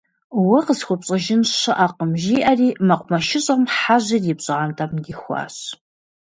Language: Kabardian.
Уэ къысхуэпщӏэжын щыӏэкъым, - жиӏэри Мэкъумэшыщӏэм Хьэжьыр и пщӏантӏэм дихуащ.